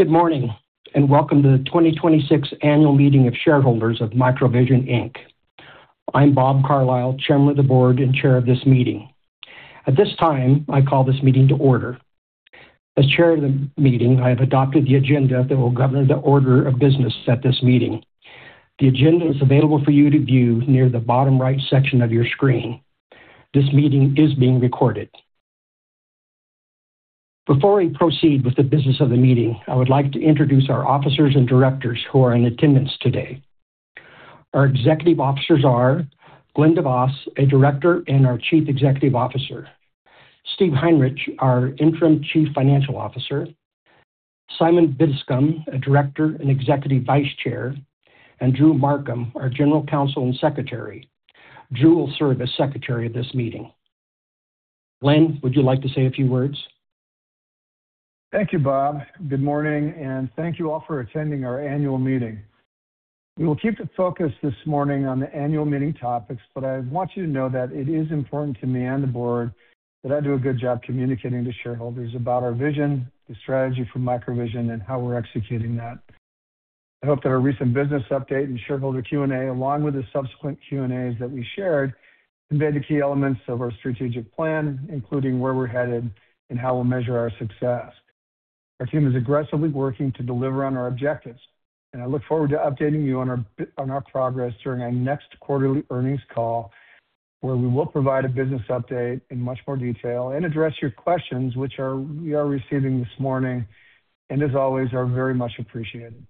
Good morning. Welcome to the 2026 Annual Meeting of Shareholders of MicroVision, Inc. I'm Bob Carlile, Chairman of the Board and chair of this meeting. At this time, I call this meeting to order. As chair of the meeting, I have adopted the agenda that will govern the order of business at this meeting. The agenda is available for you to view near the bottom right section of your screen. This meeting is being recorded. Before we proceed with the business of the meeting, I would like to introduce our officers and directors who are in attendance today. Our executive officers are Glen De Vos, a Director and our Chief Executive Officer, Steve Hrynewich, our Interim Chief Financial Officer, Simon Biddiscombe, a Director and Executive Vice Chair, and Drew Markham, our General Counsel and Secretary. Drew will serve as secretary at this meeting. Glen, would you like to say a few words? Thank you, Bob. Good morning. Thank you all for attending our annual meeting. We will keep the focus this morning on the annual meeting topics, but I want you to know that it is important to me and the board that I do a good job communicating to shareholders about our vision, the strategy for MicroVision, and how we're executing that. I hope that our recent business update and shareholder Q&A, along with the subsequent Q&As that we shared, convey the key elements of our strategic plan, including where we're headed and how we'll measure our success. Our team is aggressively working to deliver on our objectives. I look forward to updating you on our progress during our next quarterly earnings call, where we will provide a business update in much more detail and address your questions, which we are receiving this morning and, as always, are very much appreciated.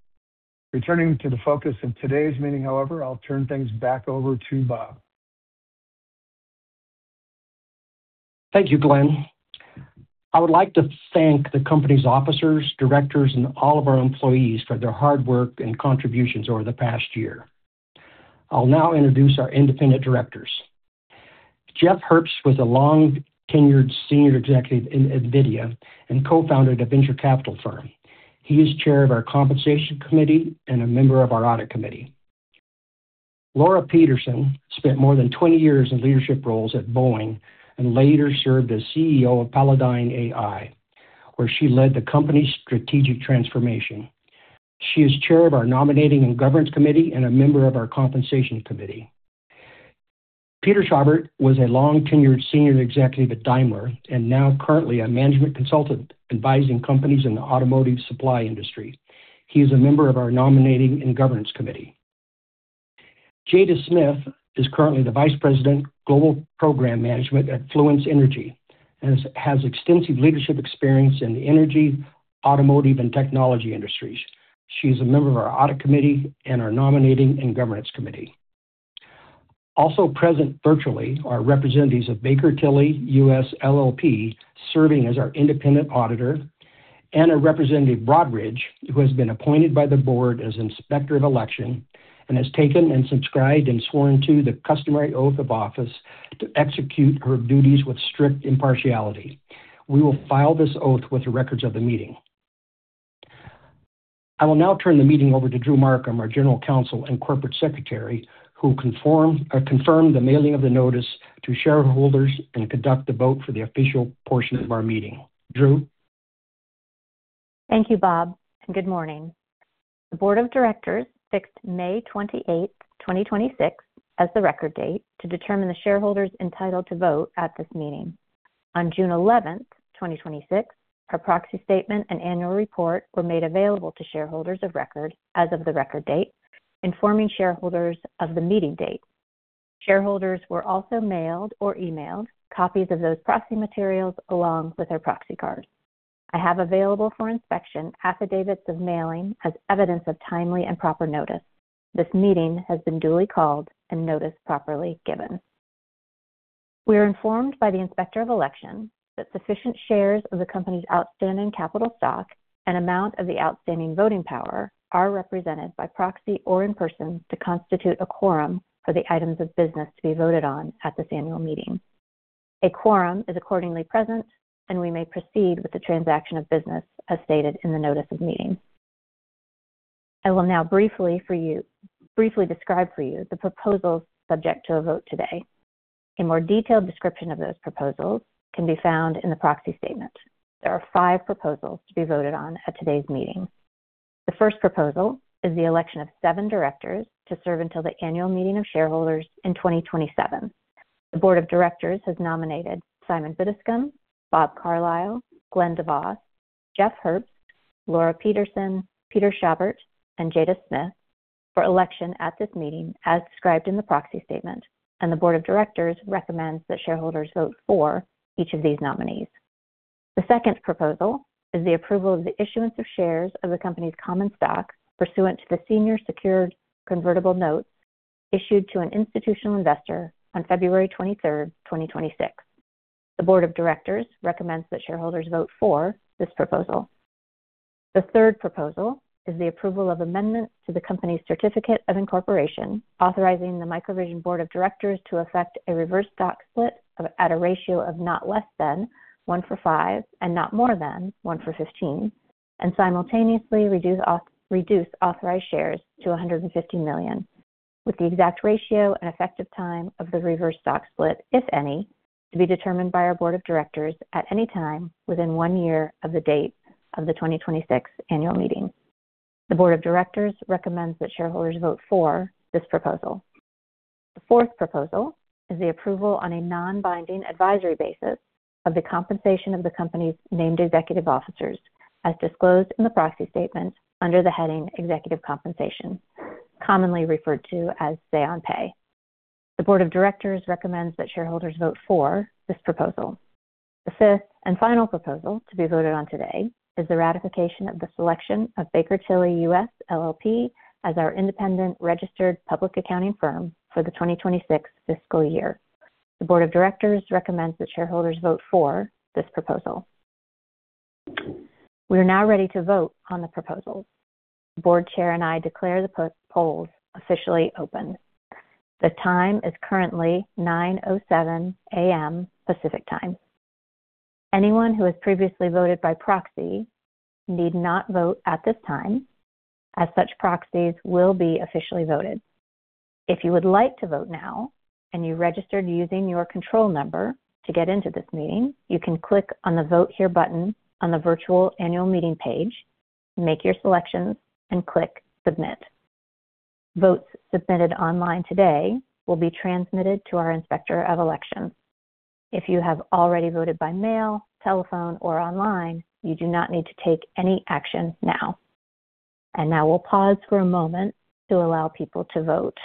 Returning to the focus of today's meeting, however, I'll turn things back over to Bob. Thank you, Glen. I would like to thank the company's officers, directors, and all of our employees for their hard work and contributions over the past year. I'll now introduce our independent directors. Jeff Herbst was a long tenured senior executive at Nvidia and co-founder of a venture capital firm. He is chair of our Compensation Committee and a member of our Audit Committee. Laura Peterson spent more than 20 years in leadership roles at Boeing and later served as CEO of Palladyne AI, where she led the company's strategic transformation. She is chair of our Nominating and Governance Committee and a member of our Compensation Committee. Peter Schabert was a long tenured senior executive at Daimler and now currently a management consultant advising companies in the automotive supply industry. He is a member of our Nominating and Governance Committee. Jada Smith is currently the Vice President, Global Program Management at Fluence Energy and has extensive leadership experience in the energy, automotive, and technology industries. She's a member of our Audit Committee and our Nominating and Governance Committee. Present virtually are representatives of Baker Tilly US, LLP, serving as our independent auditor and a representative Broadridge, who has been appointed by the board as Inspector of Election and has taken and subscribed and sworn to the customary oath of office to execute her duties with strict impartiality. We will file this oath with the records of the meeting. I will now turn the meeting over to Drew Markham, our general counsel and corporate secretary, who confirmed the mailing of the notice to shareholders and conduct the vote for the official portion of our meeting. Drew? Thank you, Bob. Good morning. The Board of Directors fixed May 28th, 2026, as the record date to determine the shareholders entitled to vote at this meeting. On June 11th, 2026, her proxy statement and annual report were made available to shareholders of record as of the record date, informing shareholders of the meeting date. Shareholders were also mailed or emailed copies of those proxy materials along with their proxy cards. I have available for inspection affidavits of mailing as evidence of timely and proper notice. This meeting has been duly called and notice properly given. We are informed by the Inspector of Election that sufficient shares of the company's outstanding capital stock and amount of the outstanding voting power are represented by proxy or in person to constitute a quorum for the items of business to be voted on at this annual meeting. A quorum is accordingly present. We may proceed with the transaction of business as stated in the notice of meeting. I will now briefly describe for you the proposals subject to a vote today. A more detailed description of those proposals can be found in the proxy statement. There are five proposals to be voted on at today's meeting. The first proposal is the election of seven directors to serve until the annual meeting of shareholders in 2027. The board of directors has nominated Simon Biddiscombe, Bob Carlile, Glen De Vos, Jeff Herbst, Laura Peterson, Peter Schabert, and Jada Smith for election at this meeting, as described in the proxy statement. The board of directors recommends that shareholders vote for each of these nominees. The second proposal is the approval of the issuance of shares of the company's common stock pursuant to the senior secured convertible notes issued to an institutional investor on February 23, 2026. The board of directors recommends that shareholders vote for this proposal. The third proposal is the approval of amendments to the company's certificate of incorporation, authorizing the MicroVision board of directors to effect a reverse stock split at a ratio of not less than 1:5 and not more than 1:15, and simultaneously reduce authorized shares to $150 million. With the exact ratio and effective time of the reverse stock split, if any, to be determined by our board of directors at any time within one year of the date of the 2026 annual meeting. The board of directors recommends that shareholders vote for this proposal. The fourth proposal is the approval on a non-binding advisory basis of the compensation of the company's named executive officers, as disclosed in the proxy statement under the heading Executive Compensation, commonly referred to as Say on Pay. The board of directors recommends that shareholders vote for this proposal. The fifth and final proposal to be voted on today is the ratification of the selection of Baker Tilly US, LLP as our independent registered public accounting firm for the 2026 fiscal year. The board of directors recommends that shareholders vote for this proposal. We are now ready to vote on the proposals. The board chair and I declare the polls officially open. The time is currently 9:07 A.M. Pacific Time. Anyone who has previously voted by proxy need not vote at this time, as such proxies will be officially voted. If you would like to vote now and you registered using your control number to get into this meeting, you can click on the Vote Here button on the virtual annual meeting page, make your selections, and click Submit. Votes submitted online today will be transmitted to our Inspector of Elections. If you have already voted by mail, telephone or online, you do not need to take any action now. Now we'll pause for a moment to allow people to vote.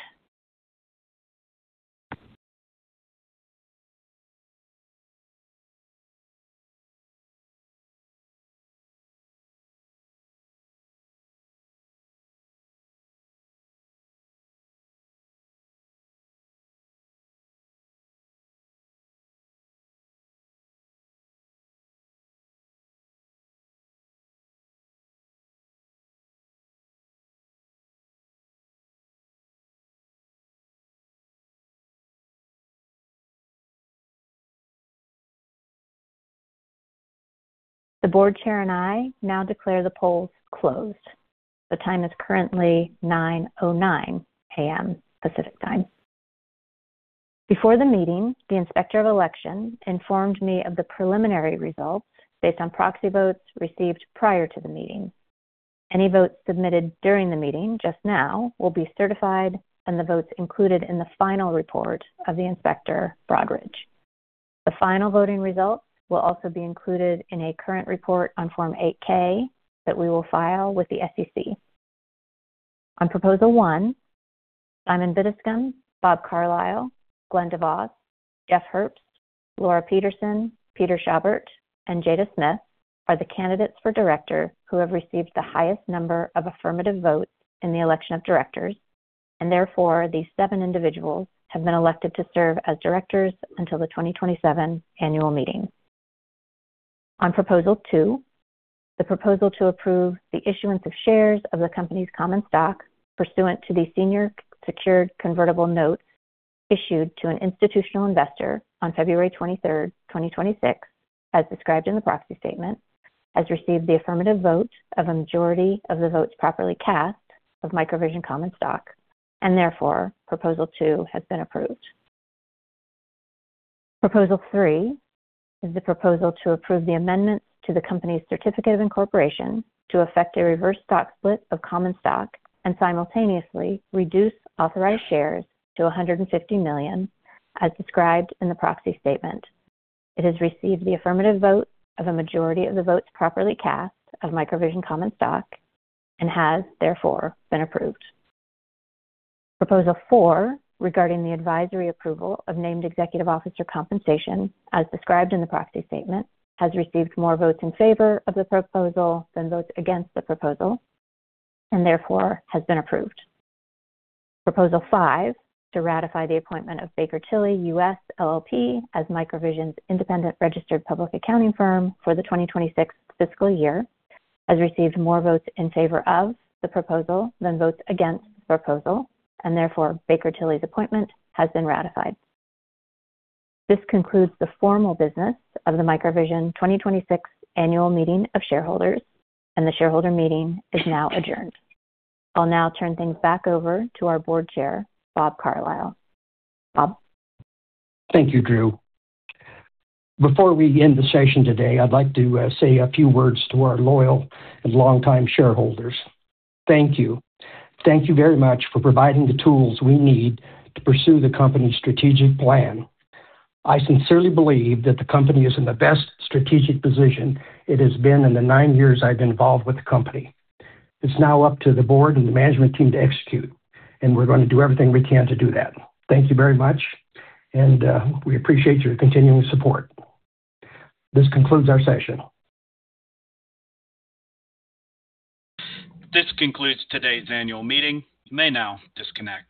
The board chair and I now declare the polls closed. The time is currently 9:09 A.M. Pacific Time. Before the meeting, the Inspector of Election informed me of the preliminary results based on proxy votes received prior to the meeting. Any votes submitted during the meeting just now will be certified, and the votes included in the final report of the Inspector Broadridge. The final voting results will also be included in a current report on Form 8-K that we will file with the SEC. On proposal one, Simon Biddiscombe, Bob Carlile, Glen De Vos, Jeff Herbst, Laura Peterson, Peter Schabert, and Jada Smith are the candidates for director who have received the highest number of affirmative votes in the election of directors, and therefore these seven individuals have been elected to serve as directors until the 2027 annual meeting. On proposal two, the proposal to approve the issuance of shares of the company's common stock pursuant to the senior secured convertible notes issued to an institutional investor on February 23, 2026, as described in the proxy statement, has received the affirmative vote of a majority of the votes properly cast of MicroVision common stock, and therefore proposal two has been approved. Proposal three is the proposal to approve the amendments to the company's certificate of incorporation to effect a reverse stock split of common stock and simultaneously reduce authorized shares to 150 million, as described in the proxy statement. It has received the affirmative vote of a majority of the votes properly cast of MicroVision common stock and has therefore been approved. Proposal four, regarding the advisory approval of named executive officer compensation as described in the proxy statement, has received more votes in favor of the proposal than votes against the proposal and therefore has been approved. Proposal five, to ratify the appointment of Baker Tilly US, LLP as MicroVision's independent registered public accounting firm for the 2026 fiscal year, has received more votes in favor of the proposal than votes against the proposal, and therefore Baker Tilly's appointment has been ratified. This concludes the formal business of the MicroVision 2026 Annual Meeting of Shareholders. The shareholder meeting is now adjourned. I'll now turn things back over to our board chair, Bob Carlile. Bob? Thank you, Drew. Before we end the session today, I'd like to say a few words to our loyal and longtime shareholders. Thank you. Thank you very much for providing the tools we need to pursue the company's strategic plan. I sincerely believe that the company is in the best strategic position it has been in the nine years I've been involved with the company. It's now up to the board and the management team to execute. We're going to do everything we can to do that. Thank you very much. We appreciate your continuing support. This concludes our session. This concludes today's annual meeting. You may now disconnect.